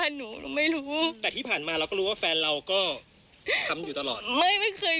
หนูไม่รู้แต่ที่ผ่านมาเราก็รู้ว่าแฟนเราก็ทำอยู่ตลอดไม่ไม่เคย